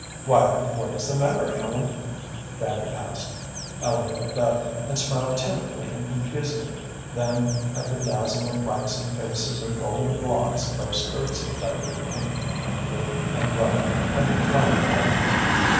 "Why, what is the matter, Ellen?" Fanny asked. Ellen looked up, and smiled timidly and confusedly, then at the dazzle of waxen faces and golden locks above skirts of delicate pink and blue and white, like flower petals.